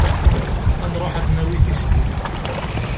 Ad nruḥ ad d-nawi tislit.